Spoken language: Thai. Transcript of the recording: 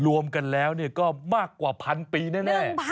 รวมกันแล้วก็มากกว่าพันปีแน่